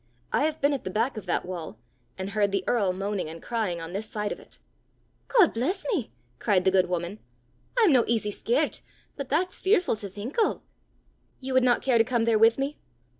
I have been at the back of that wall, and heard the earl moaning and crying on this side of it!" "God bless me!" cried the good woman. "I'm no easy scaret, but that's fearfu' to think o'!" "You would not care to come there with me?"